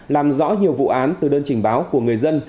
làm rõ nhiều vụ án từ đơn trình báo của người dân